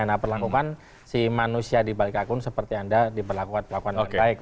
nah perlakukan si manusia di balik akun seperti anda diperlakukan